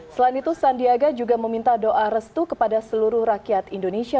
selain itu sandiaga juga meminta doa restu kepada seluruh rakyat indonesia